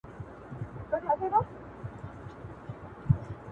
ږغ یې نه ځي تر اسمانه له دُعا څخه لار ورکه.!